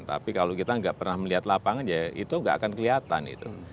tapi kalau kita nggak pernah melihat lapangan ya itu nggak akan kelihatan itu